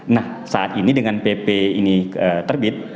nah saat ini dengan pp ini terbit